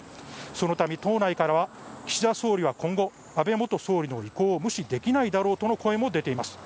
そのため党内からは、岸田総理は安倍元総理の意向を無視できないだろうとの声も出ています。